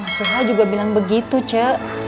mas suha juga bilang begitu ce